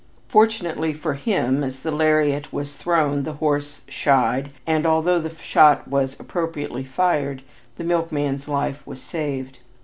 Fortunately for him, as the lariat was thrown the horse shied, and, although the shot was appropriately fired, the milkman's life was saved.